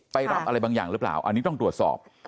รับอะไรบางอย่างหรือเปล่าอันนี้ต้องตรวจสอบ